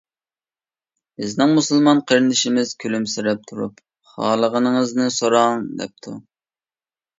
بىزنىڭ مۇسۇلمان قېرىندىشىمىز كۈلۈمسىرەپ تۇرۇپ: «خالىغىنىڭىزنى سوراڭ» دەپتۇ.